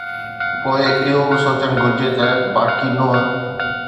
پوءِ اهو به سوچڻ گهرجي ته باقي ننهن